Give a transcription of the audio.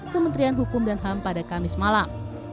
kementerian hukum dan ham pada kamis malam